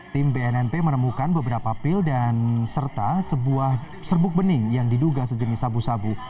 tim bnnp menemukan beberapa pil dan serta sebuah serbuk bening yang diduga sejenis sabu sabu